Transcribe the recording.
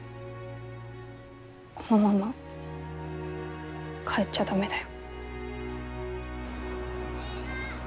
このまま帰っちゃ駄目だよ。